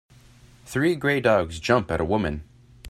Three gray dogs jump at a woman.